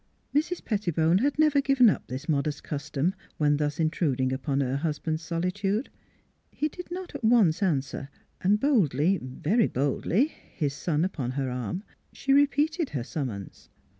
Mrs. Pettibone had never given up this modest custom, when thus intruding upon her husband's solitude. He did not at once answer; and boldly very boldly his son upon her arm, she repeated her summons.